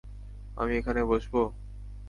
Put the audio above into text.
আমি এখানে বসবো?